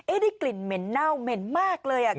ได้กลิ่นเหม็นเน่าเหม็นมากเลย